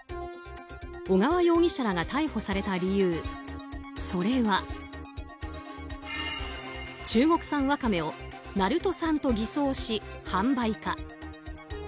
小川容疑者らが逮捕された理由それは中国産ワカメを鳴門産と偽装し販売か。